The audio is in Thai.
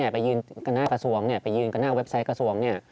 ไปยืนกันหน้ากระทรวงไปยืนกันหน้าเว็บไซต์กระทรวง